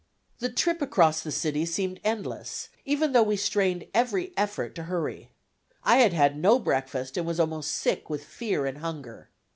The trip across the city seemed endless, even though we strained every effort to hurry. I had had no breakfast, and was almost sick with fear and hunger.